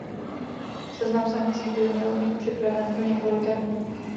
Seznam sankcí by měl být připraven do několika dnů.